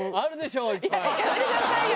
やめてくださいよ！